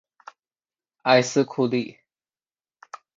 埃斯库利。